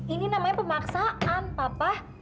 ini namanya pemaksaan papa